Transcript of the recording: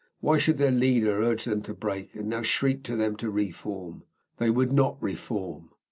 Why should their leader urge them to break, and now shriek to them to re form? They would not re form.